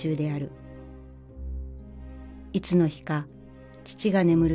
いつの日か父が眠る